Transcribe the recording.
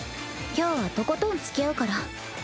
今日はとことんつきあうから。